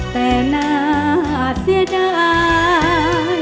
แต่น่าเสียดาย